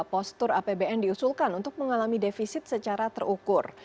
postur apbn diusulkan untuk mengalami defisit secara terukur